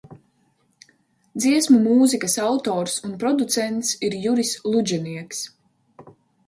Dziesmu mūzikas autors un producents ir Juris Ludženieks.